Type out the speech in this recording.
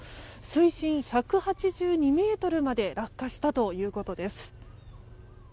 水深１８２ｍまで落下したということです。